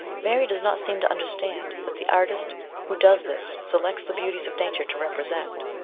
Mary does not seem to understand that the artist who does this selects the beauties of nature to represent.